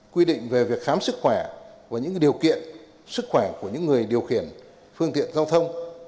quy định về việc khám sức khỏe và những điều kiện sức khỏe của những người điều khiển phương tiện giao thông